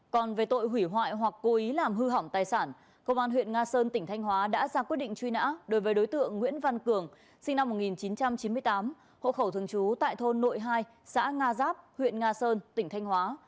còn về tội hủy hoại hoặc cố ý làm hư hỏng tài sản công an huyện nga sơn tỉnh thanh hóa đã ra quyết định truy nã đối với đối tượng nguyễn văn cường sinh năm một nghìn chín trăm chín mươi tám hộ khẩu thường trú tại thôn nội hai xã nga giáp huyện nga sơn tỉnh thanh hóa